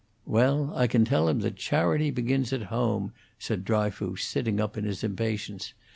"Well, I can tell him that charity begins at home," said Dryfoos, sitting up in his impatience.